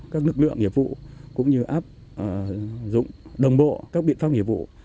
các lực lượng nghiệp vụ cũng như áp dụng đồng bộ các biện pháp nghiệp vụ